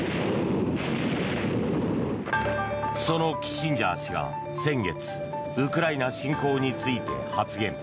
そのキッシンジャー氏が先月ウクライナ侵攻について発言。